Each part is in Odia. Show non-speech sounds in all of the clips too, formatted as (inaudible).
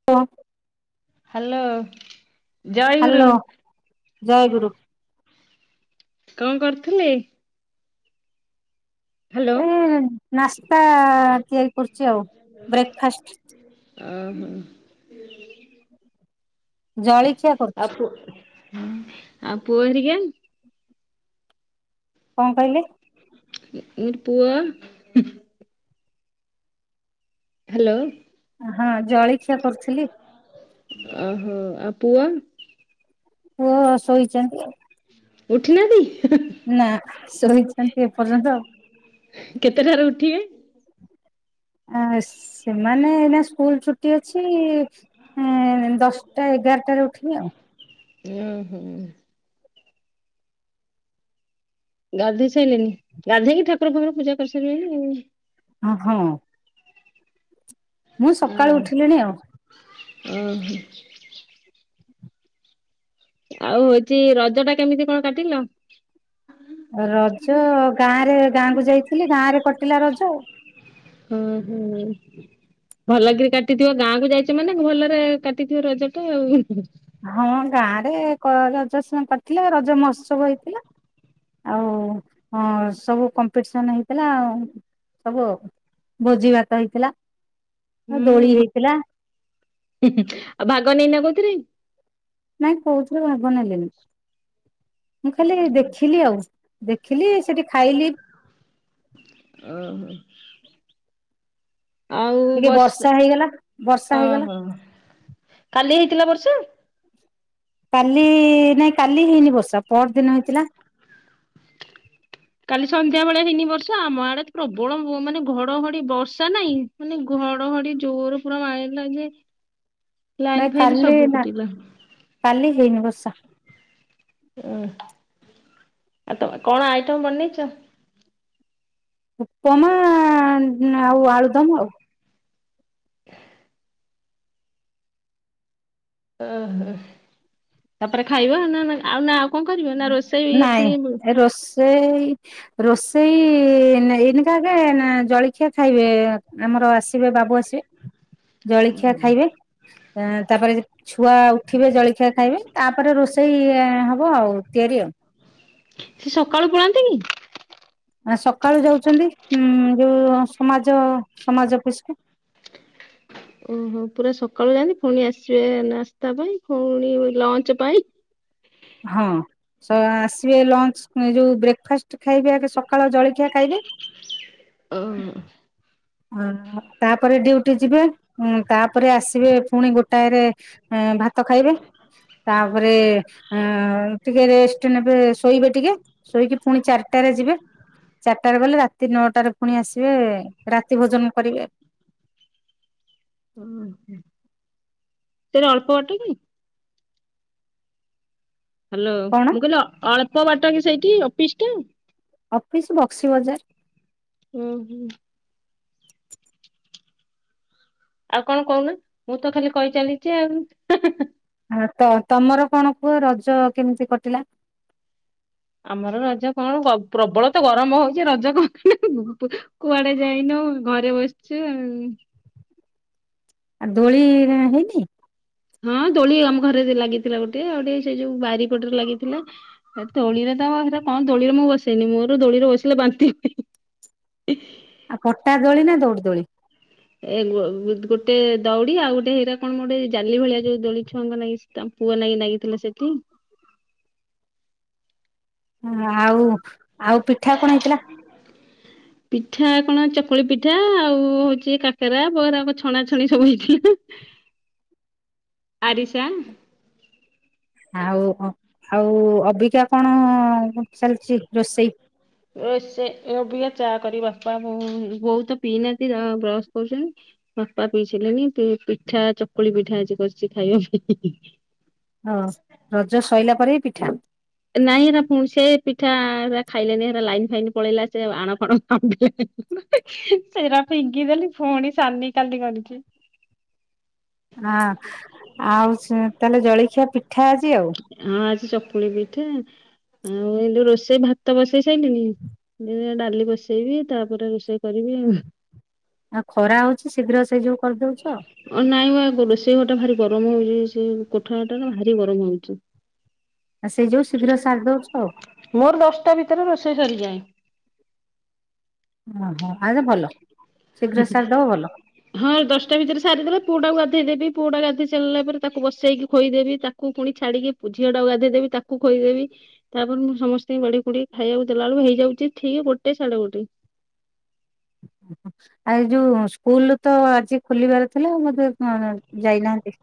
(unintelligible) ହ୍ୟାଲୋ ଜାୟଗୁରୁ। ହ୍ୟାଲୋ ଜୟଗୁରୁ। କଣ, କରୁଥିଲେ। ହ୍ୟାଲୋ ଏଇ ନାସ୍ତା--ତିଆରି କରୁଛି ଆଉ। ବ୍ରେକଫାଷ୍ଟ ଆ ହା। ଜଳିଖିଆ। ଆଉ ପୁ ହୁଁ ଆଉ ପୁଅ ହେରିକା? କଣ କହିଲେ? ମୁ-ମୁ-ପୁଅ? ହ୍ୟାଲୋ। ହଁ ଜଳଖିଆ କରୁଥିଲି। ଓହୋ ଆ ପୁଅ? ପୁଅ ଶୋଇଚନ୍ତି। ଉଠିନାହାନ୍ତି? ହେ ହେ ନା ଶୋଇଚନ୍ତି ଏପର୍ଯ୍ୟନ୍ତ। କେତେ ଥର ଉଠିବେ? ଆ ସେମାନେ ଏନା ସ୍କୁଲ ଛୁଟି ଅଛି ଏଁ ଦଶଟା ଏଗାରଟାରେ ଉଠିବେ ଆଉ। ଉଁ ହୁଁ। ଗାଧେଇ ସାରିଲେଣି ଗାଧେଇକି ଠାକୁର ଫାକୁର ପୂଜା କରିସାରିବେନି ଆଉ। ଓ ହୋ। ମୁଁ ସକାଳୁ ଉଠିଲିଣି ଆଉ। ଉଁ ହୁଁ। ଆଉ ଏଠି ରଜ ଟା କେମିତି କଣ କାଟିଲ? ରଜ ଗାଁ ରେ ଗାଁ କୁ ଯାଇଥିଲି ଗାଁରେ କଟିଲା ରଜ। ହୁଁ ହୁଁ ଭଲକରି କାଟିଥିବ ଗାଁକୁ ଯାଇଚ ମାନେ ଭଲରେ କାଟିଥିବ ରଜ ଟା ଆଉ ହୁଁ ହୁଁ। ହଁ ଗାଁ ରେ କ ରଜ ସମ କରିଥିଲେ ରଜ ମହୋତ୍ସବ ହେଇଥିଲା। ଆଉ ହଁ ସବୁ କମ୍ପିଟିସନ୍ ହେଇଥିଲା ଆଉ ସବୁ ଆଉ। ଭୋଜି ଭାତ ହେଇଥିଲା ଅ ଦୋଳି ହେଇଥିଲା। ହୁଁ ହୁଁ ଆଉ ଭାଗ ନେଇନ କୋଉଥିରେ? ନାଇଁ କୋଉଥିରେ ଭାଗ ନେଲିନି ମୁଁ ଖାଲି ଦେଖିଲି ଆଉ। ଦେଖିଲି ସେଠି ଖାଇଲି। ଉଁ ହୁଁ। ଆଉ ଟିକେ ବର୍ଷା ହେଇଗଲା ବର୍ଷା ହେଇଗଲା ଓହୋ କାଲି ହେଇଥିଲା ବର୍ଷା? କାଲି ନାଇଁ କାଲି ହେଇନି ବର୍ଷା ପଅର ଦିନ ହେଇଥିଲା। କାଲି ସନ୍ଧ୍ୟା ବେଳେ ହେଇନି ବର୍ଷା ଆମ ଆଡେ ପ୍ରବଳ ମାନେ ଘଡଘଡି ବର୍ଷା ନାହିଁ ମାନେ ଘଡଘଡି ଜୋର ପୁରା ମାାରଥିଲା ଯେ ଲାଇନ୍ ନାଇଁ ଫାଇନ କାଲି ସବୁ ନା କାଟି ଗଲା। କାଲି ହେଇନି ବର୍ଷା। ଉଁହୁଁ ଆଉ ତମେ କଣ ଆଇଟମ ବନେଇଚ? ଉପମା ଆଉ ଆଳୁଦମ ଆଉ। (inaudible) ଓହୋ ତାପରେ ଖାଇବା ନା ନା ଆଉ ନା ଆଉ କଣ କରିବା ନା ରୋଷେଇ ଫୁଣି ସେଇ ରୋଷେଇ ଏଇନିକା ଆଗେ ନା ଜଳଖିଆ ଖାଇବେ ଆମର ଆସିବେ ବାବୁ ଆସିବେ। ଜଳିଖିଆ ଖାଇବେ ତାପରେ ଛୁଆ ଉଠିବେ ଜଳଖିଆ ଖାଇବେ ତାପରେ ରୋଷେଇ ହବ ଆଉ ତିଆରି ଆଉ। ସେ ସକାଳୁ ପଳାନ୍ତି କି? ସକାଳୁ ଯାଉଚନ୍ତି ଉଁ ଯୋଉ ସମାଜ ସମାଜ ଅଫିସକୁ। ଓହୋ ପୁରା ସକାଳୁ ଯାଆନ୍ତି ପୁଣି ଆସିବେ ନାସ୍ତା ପାଇଁ ପୁଣି ଲଞ୍ଚ ପାଇଁ ହଁ ସ ଆସିବେ ଲଞ୍ଚ ଯଉ ବ୍ରେକ୍ଫାଷ୍ଟ ଖାଇବେ ଆଗେ ସକାଳ ଜଳଖିଆ ଖାଇବେ ଓ (inaudible) ହ ତାପରେ ଡ୍ୟୁଟି ଯିବେ ତାପରେ ଆସିବେ ପୁଣି ଗୋଟାଏରେ ଅଁ ଭାତ ଖାଇବେ ତାପରେ ଟିକେ ରେଷ୍ଟ ନେବେ ଶୋଇବେ ଟିକେ ଶୋଇକି ପୁଣି ଚାରିଟାରେ ଯିବେ ଚାରିଟାରେ ଗଲେ ରାତି ନଅଟାରେ ଫୁଣି ଆସିବେ ରାତି ଭୋଜନ କରିବେ। ଓହୋ ସେରା ଅଳ୍ପ ବାଟକି? ହାଲୋ କଣ ମୁଁ କହିଲି ଅ ଅଳ୍ପ ବାଟକି ସେଇଠି ଅଫିସଟା? ଅଫିସ୍ ବକ୍ସି ବଜାର। ହୁଁ ହୁଁ। ଆଉ କଣ କହୁନ ମୁଁତ ଖାଲି କହି ଚାଲିଚି ଆଉ? ହଁ ତ ତମର କଣ କୁହ ରଜ କେମିତି କଟିଲା? ଆମର ରଜ କଣ ପ୍ର ପ୍ରବଳତ ଗରମ ହଉଚି ରଜ କଁ କୁଆଡ଼େ ଯାଇନୁ ଘରେ ବସିଚୁ ଆଉ। ଆଁ ଦୋଳି ହେହେଇନି? ହଁ ଦୋଳି ଆମ ଘରେ ଲାଗିଥିଲା ଗୋଟେ ଆଉ ଗୋଟେ ସେ ଯୋଉ ବାରିପଟରେ ଲାଗିଥିଲା। ହେ ଦୋଳିରେତ ହେରା କଁ ଦୋଳିରେ ମୁଁ ବସେଇନି ମୋର ଦୋଳିରେ ବସିଲେ ବାନ୍ତି ହୁଏ (inaudible) ଆଁ ପଟା ଦୋଳିନା ଦୌଡ଼ି ଦୋଳି? ଏ ଗୋ ଗୋଟେ ଦଉଡି଼ ଆଉ ଗୋଟେ ହେରା କଣ ମୋଟେ ଜାଲି ଭଳିଆ ଯୋଉ ଦୋଳିଛୁଆଙ୍କ ନାଗି ତାଙ୍କ ପୁଅ ନାଗି ନାଗିଥିଲା ସେଠି ଆଉ ଆଉ ପିଠା କଣ ହେଇଥିଲା? ପିଠା କଣ ଚକୁଳି ପିଠା ଆଉ ହଉଚି କାକେରା ବରାକୁ ଛଣା ଛଣି ସବୁ ହେଇଥିଲା। (inaudible) ଆରିଶା ଆଉ ଆଉ ଅବିକା କଣ ଚାଲିଚି ରୋଷେଇ? ଏ ସେ ଏବିକା ଚା କରିବି ବାପା ବୋ ବୋଉତ ପିଇନାହାନ୍ତି ବ୍ରଶ କରୁଚନ୍ତି। ବାପା ପିଇସାରିଲେଣିି ପି ପିଠା ଚକୁଳି ପିଠା ଆଜି କରିଚି ଖାଇବା ପାଇଁ। ହଁ ରଜ ସଇଲା ପରେବି ପିଠା? ନାଇଁ ହେରା ପୁଣି ସେ ପିଠା ହେରା ଖାଇଲେନି ହେରା ଲାଇନ୍ ଫାଇନ୍ ପଳେଇଲା ସେ ଆଣ ଫାଣ (unintelligible) ସେରା ଫିଙ୍ଗିଦେଲି ପୁଣି ସାନି କାଲି କରିଚି। ହଁ ଆଉ ତାହେଲେ ଜଳଖିଆ ପିଠା ଆଜି ଆଉ? ହଁ ଆଜି ଚକୁଳି ପିଠା ଆଉ ଏଇଠି ରୋଷେଇ ଭାତ ବସେଇ ସାଇଲିଣି ଯେ ଡାଲି ବସେଇବି ତାପରେ ରୋଷେଇ କରିବି ଆଉ। ଆଉ ଖରା ହଉଚି ଶୀଘ୍ର ସେଇ ଯୋଉ କରିଦଉଚ? ନାଇଁ ବା ରୋଷେଇ ଘରଟା ଭାରି ଗରମ ହଉଚି ସେ କୋଠ ଘରଟାନା ଭାରି ଗରମ ହଉଚି। ଆଉ ସେଇ ଯୋଉ ଶୀଘ୍ର ସାରି ଦଉଛ ଆଉ? ମୋର ଦଶଟା ଭିତରେ ରୋଷେଇ ସରିଯାଏ। ଓହୋ ହାଏରେ ଭଲ ଶୀଘ୍ର ସାରିଦବ ଭଲ। ହଁ ଦଶଟା ଭିତରେ ସାରିଦେବି ପୁଅଟାକୁ ଗାଧେଇ ଦେବି ପୁଅଟା ଗାଧୋଇ ସାରିଲା ପରେ ତାକୁ ବସେଇକି ଖୋଇଦବି ତା ତାକୁ ପୁଣି ଛାଡ଼ିକି ଝିଅଟାକୁ ଗାଧେଇ ଦେବି ତାକୁ ଖୋଇଦେବି। ତାପରେ ମୁଁ ସମସ୍ତଙ୍କୁ ବାଢ଼ିକୁଢ଼ିକି ଖାଇବାକୁ ଦେଲା ବେଳକୁ ହେଇଯାଉଚି ଠିକ୍ ଗୋଟେ ସାଢେ ଗୋଟେ। ଓହୋ ଆଉ ଏଯୋଉ ସ୍କୁଲତ ଆଜି ଖୋଲିବାର ଥିଲା ବୋଧ ଯାଇନାହାନ୍ତି?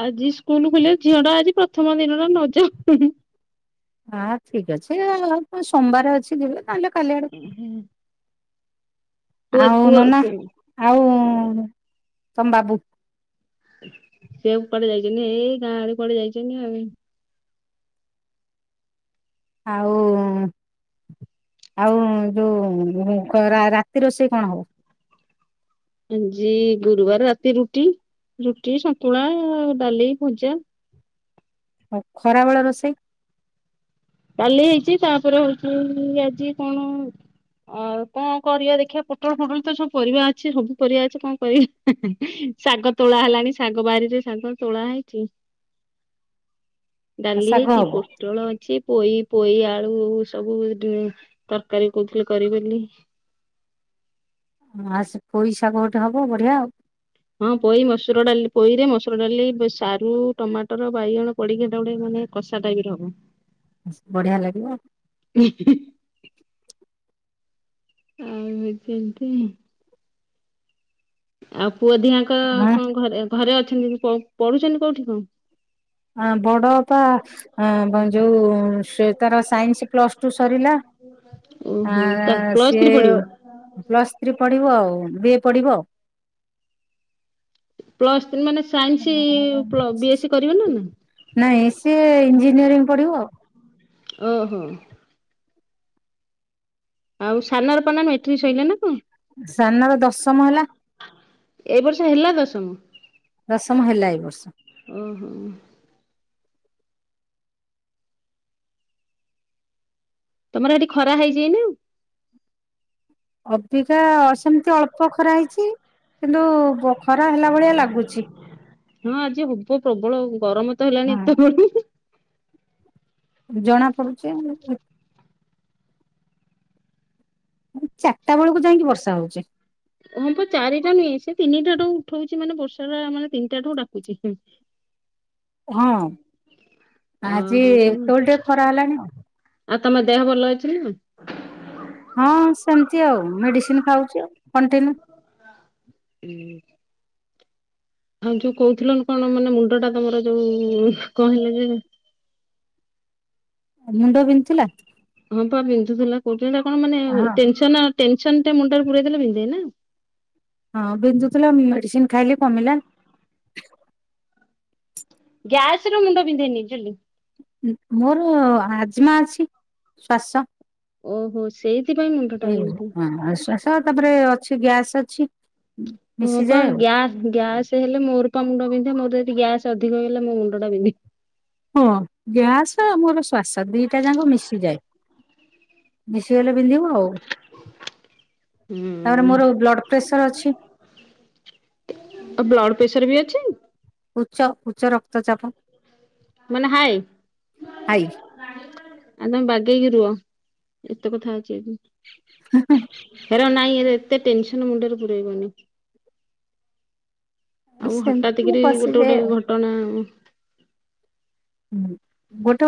ଆଜି ସ୍କୁଲ୍ ଖୋଲିବା ଝିଅଟା ଆଜି ପ୍ରଥମ ଦିନଟା ନଯାଉ। ହଁ ଠିକ୍ ଅଛି ସୋମବାର ଅଛି ଯିବେ ନହେଲେ କାଲି ଆଡ଼କୁ ହୁଁ ପୁଅ ଆଉ ପୁଅ ନନା ଆଉ ତମ ବାବୁ ସିଏକୁ କୁଆଡ଼େ ଯାଇଚନ୍ତି ଏଇ ଗାଁ ଆଡ଼େ କୁଆଡ଼େ ଯାଇଚନ୍ତି ଆଉ। ଆଉ ଆଉ ଯୋଉ କରା ରାତି ରୋଷେଇ କଣ ହବ? ଆଜି ଗୁରୁବାର ରାତି ରୁଟି ରୁଟି ଶନ୍ତୁଳା ଡାଲି ଭଜା ଆଉ ଖରାବେଳ ରୋଷେଇ? କାଲି ହେଇଚି ତାପରେ ହଉଚି ଆଜି କଣ ଆଉ କଁ କରିବା ଦେଖିବା ପୋଟଳ ଫୋଟଳତ ସବୁ ପରିବା ଅଛି ସବୁ ପରିବା ଅଛି କଁ କରି ଶାଗ ତୋଳା ହେଲାଣି ଶାଗ ବାରିରେ ଶାଗ ତୋଳା ହେଇଚି (inaudible) ଡାଲି ଶାଗ ହେଇଚି ହବ। ପୋଟଳ ଅଛି ପୋଇ ପୋଇ ଆଳୁ ସବୁ ତରକାରୀ କହୁଥିଲେ କରିମି ବୋଲି। ହଁ ସେ ପୋଇ ଶାଗ ଗୋଟେ ହବ ବଢିଆ ଆଉ। ହଁ ପୋଇ ମସୁର ଡାଲି ପୋଇରେ ମସୁର ଡାଲି ସାରୁ ଟମାଟର ବାଇଗଣ ପଡ଼ିକି ହେଟାଗୋଟେ ମାନେ କଷା ଟାଇପର ହବ। ବଢ଼ିଆ ଲାଗିବ। (unintelligible) ଆଉ ହଉଚି ଏମିତି। ଆଉ ପୁଅ ଦିଆଙ୍କ ହଁ କଁ ଘରେ ଘରେ ଅଛନ୍ତି ପଢୁ ପଢୁଚନ୍ତି କୋଉଠି କଁ? ଆ ବଡ଼ପା ଆଁ ଯୋଉ ସେ ତାର ସାଇନ୍ସ ପ୍ଲସ୍ ଟୁ ସରିଲା ଆ ଓହୋ। ପ୍ଲସ୍ ସିଏ ଥ୍ରୀ ପଢିବ ପ୍ଲସ୍ ଥ୍ରୀ ପଢିବ ଆଉ ବି ଏ ପଢିବ ଆଉ। ପ୍ଲସ୍ ମାନେ ସାଇନ୍ସ ପ୍ଲ ବି ଏସ୍ ସ କରିବେନା ନା? ନାଇଁ ସିଏ ଇଞଜିନିୟରିଂ ପଢିବ। ଓହୋ। ଆଉ ସାନରପା ଏଇନା ମେଟ୍ରିକ୍ ଶୋଇିଲାନା କଁ? ସାନର ଦଶମ ହେଲା ଏଇ ବର୍ଷ ହେଲା ଦଶମ। ଦଶମ ହେଲା ଏଇ ବର୍ଷ। ଓହୋ। ତମର ହେଟି ଖରା ହେଇଚି ଏଇନା? ଅବିକା ସେମିତି ଅଳ୍ପ ଖରା ହେଇଚି କିନ୍ତୁ ଖରା ହେଲା ଭଳିଆ ଲାଗୁଚି। ହଁ ଆଜି ହବ ପ୍ରବଳ ଗରମତ ହେଲାଣି ହଁ ଏତେ ବେଳୁ। ଜଣାପଡ଼ୁଚି (unintelligible) ଚାରିଟା ବେଳକୁ ଯାଇକି ବର୍ଷା ହଉଚି। ହଁପା ଚାରିଟା ନୁହେଁ ସେ ତିନିଟା ଠୁ ଉଠଉଚି ମାନେ ବର୍ଷାଟା ମାନେ ତିନିଟାଠୁ ଡାକୁଚି। ହଁ ଆଜି ଓହୋ କଣ ଏତୋଳୁ ଟିକେ ଖରା ହେଲାଣି ଆଉ। ଆଉ ତମ ଦେହ ଭଲ ଅଛିନା? ହଁ ସେମିତି ଆଉ ମେଡ଼ିସିନ୍ ଖାଉଚି ଆଉ କଣ୍ଟିନ୍ୟୁ। ହୁଁ। ଆଉ ଯୋଉ କହୁଥିଲ କଣ ମାନେ ମୁଣ୍ଡଟା ତମର ଯୋଉ କହିଲେ ଯେ ମୁଣ୍ଡ ବିନ୍ଧୁଥିଲା? ହଁପା ବିନ୍ଧୁଥିଲା କହୁଥିଲ କଣ ମାନେ ହଁ ଟେନସନ୍ ଟେନସନଟେ ମୁଣ୍ଡରେ ପୁରେଇଦେଲେ ବିନ୍ଧେନା? ହଁ ବିନ୍ଧୁଥିଲା ମେଡ଼ିସିନ୍ ଖାଇଲି କମିଲା। ଗ୍ୟାସରୁ ମୁଣ୍ଡ ବିିନ୍ଧେନି ଚୁଲି ମୋର ଆଜମା ଅଛି ଶ୍ଵାସ। ଓହୋ ସେଇଥିପାଇଁ ମୁଣ୍ଡ ଟା ହୁଁ ବିନ୍ଧେ। ହୁଁ ଶ୍ବାସ ତାପରେ ଅଛି ଗ୍ୟାସ୍ ଅଛି। ମୁପା ମିଶିଯାଏ ଆଉ। ଗ୍ୟା ଗ୍ୟାସ୍ ହେଲେ ମୋରପା ମୁଣ୍ଡ ବିନ୍ଧେ ମୋର ଯଦି ଗ୍ୟାସ୍ ଅଧିକ ହେଇଗଲା ମୋ ମୁଣ୍ଡଟା ବିନ୍ଧେ। ହଁ ଗ୍ୟାସ ଆମୋର ଶ୍ବାସ ଦିଟା ଯାକ ମିଶିଯାଏ ମିଶିଗଲେ ପିନ୍ଧିବ ଆଉ ହୁଁ ତାପରେ ମୋର ବ୍ଲଡ଼ ପ୍ରେସର ଅଛି। ଆଉ ବ୍ଲଡ଼ ପ୍ରେସରବି ଅଛି? ଉଚ୍ଚ ଉଚ୍ଚ ରକ୍ତଚାପ ମାନେ ହାଇ? ହାଇ ଆଉ ତମେ ବାଗେଇକି ରୁହ ଏତେ କଥା ଅଛି ଯଦି। (unintelligible) ହେରା ନାଇଁ ଏ ଏତେ ଟେନସନ୍ ମୁଣ୍ଡରେ ପୁରଇବନି। ଆଉ ସେମିତି ହଠାତ୍ ମୁଁ କରି ଗୋଟେ ପଶିଯାଏ ଗୋଟେ ଆଉ। ଘଟଣା ଆଉ ହୁଁ ଗୋଟେ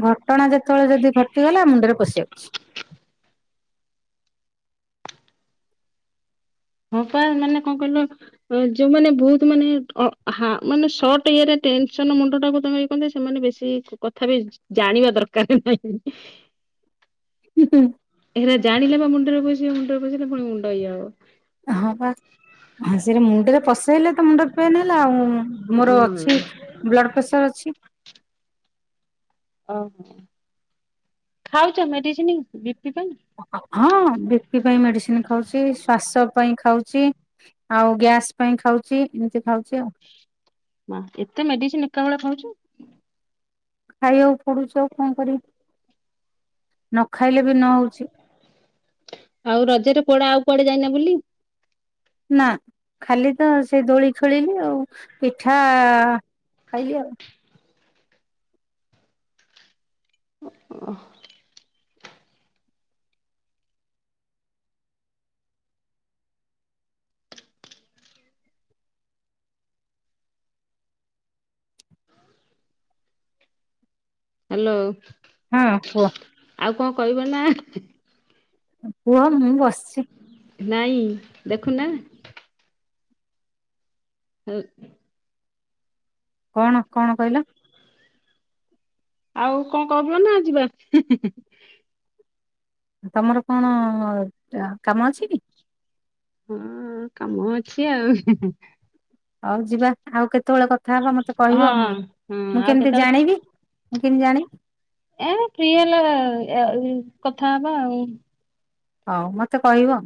ଗୋଟେ ଘଟଣା ଯେତେବେଳେ ଯଦି ଘଟିଗଲା ମୁଣ୍ଡରେ ପଶି ଯାଉଚି। ହଁପା ମାନେ କଁ କିଇଲ ଯୋଉମାନେ ବହୁତ୍ ମାନେ ଅ ହା ମାନେ ସଟଇରେ ଟେନସନ୍ ମୁଣ୍ଡଟାକୁ ତମେ କୁଅନ୍ତି ସେମାନେ ବେଶୀ କଥାବି ଜାଣିବା ଦରକାର ନାହିଁ। ହୁଁ ହୁଁ। ଏରା ଜାଣିଲେବା ମୁଣ୍ଡରେ ବସିବ ମୁଣ୍ଡରେ ବସିଲେ ପୁଣି ମୁଣ୍ଡ ଇଏ ହବ। ହଁପା ସେରା ମୁଣ୍ଡରେ ପସେଇଲେତ ମୁଣ୍ଡ ପେନ୍ ହେଲା ଆଉ ମୋର ହଁ। ଅଛି ବ୍ଲଡ଼ ପ୍ରେସର ଅଛି। ଓହୋ ଖାଉଚ ମେଡ଼ିସିନ୍ ବିପି ପାଇଁ? ହଁ ବିପି ପାଇଁ ମେଡ଼ିସିନ୍ ଖାଉଚି ଶ୍ୱାସ ପାଇଁ ଖାଉଚି। ଆଉ ଗ୍ୟାସ୍ ପାଇଁ ଖାଉଚି ଏମିତି ଖାଉଚି ଆଉ। ମା ଏତେ ମେଡ଼ିସିନ୍ ଏକାବେଳେ ଖାଉଚୁ? ଖାଇବାକୁ ପଡ଼ୁଚି ଆଉ କଁ କରିବୁ ନଖାଇଲେବି ନହଉଚି। ଆଉ ରଜରେ କୁଆଡ଼େ ଆଉ କୁଆଡ଼େ ଯାଇନା ବୁଲି? ନା ଖାଲିତ ସେଦୋଳି ଖେଳିଲି ଆଉ ପିଠା ଖାଇଲି ଆଉ। ଓ। ହାଲୋ। ହଁ କୁଅ? ଆଉ କଁ କଇଁବନା କୁଅ ମୁଁ ବସିଚି। ନାଇଁ ଦେଖୁନା? ହୋ କଣ କଣ କଇଁଲ? ଆଉ କଣ କରିବନା ଯିବା ହୁ ହୁ? ତମର କଣ କାମ ଅଛିକି? ହଁ କାମ ଅଛି ଆଉ। ହଉ ଯିବା ଆଉ କେତେବେଳେ କଥା ହବା ମତେ ହଁ କହିବ ହୁଁ ହଁ ମୁଁ ଆଉ କେମିତି କେତେବେଳେ ଜାଣିବି ମୁଁ କେମତି ଜାଣି ଏ ଫ୍ରିହେଲେ ଏ କଥା ହବା ଆଉ। ହଉ ମତେ କହିବ?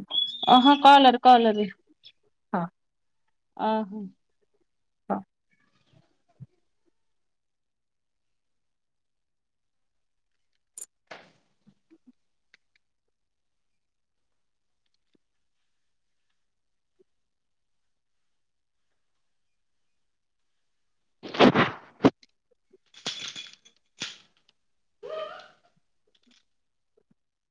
ଓହୋ କଲରେ କଲରେ? ହଁ। (unintelligible) (unintelligible)